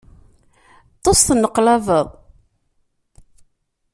Ṭṭes, tenneqlabeḍ.